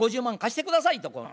５０万貸して下さいと。